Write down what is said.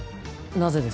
なぜです？